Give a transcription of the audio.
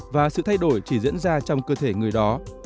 và sự thay đổi chỉ diễn ra trong cơ thể người đó